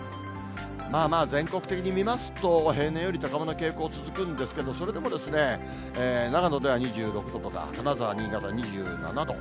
まあまあ全国的に見ますと、平年より高めの傾向続くんですけど、それでも、長野では２６度とか、金沢、新潟、２７度。